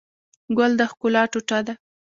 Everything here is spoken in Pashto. ګل د ښکلا ټوټه ده.